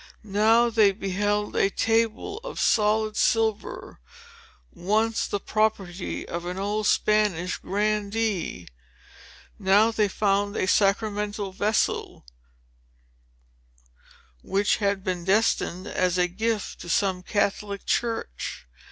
Now they beheld a table of solid silver, once the property of an old Spanish Grandee. Now they found a sacramental vessel, which had been destined as a gift to some Catholic church.